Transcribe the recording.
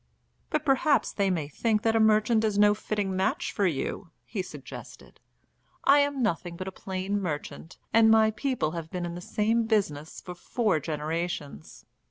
"But perhaps they may think that a merchant is no fitting match for you," he suggested. "I am nothing but a plain merchant, and my I people have been in the same business for four generations.